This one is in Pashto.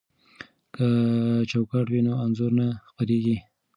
که چوکاټ وي نو انځور نه څیریږي.